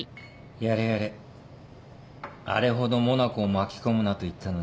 やれやれあれほどモナコを巻き込むなと言ったのに。